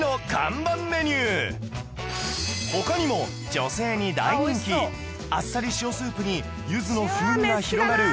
他にも女性に大人気あっさり塩スープに柚子の風味が広がる